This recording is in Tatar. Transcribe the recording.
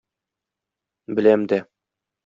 Беләм дә.